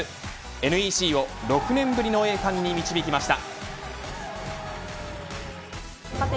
ＮＥＣを６年ぶりの栄冠に導きました。